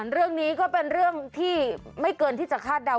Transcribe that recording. เรื่องนี้ก็เป็นเรื่องที่ไม่เกินที่จะคาดเดา